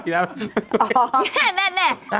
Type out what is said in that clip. แน่เรานี่